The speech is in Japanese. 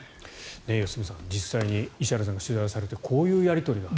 良純さん実際に石原さんが取材されてこういうやり取りがあったと。